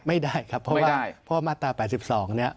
ไม่ได้ครับเพราะว่ามาตรา๘๒เนี่ย